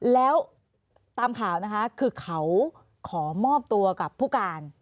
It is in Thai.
แล้วตามข่าวนะคะคือเขาขอมอบตัวกับผู้การ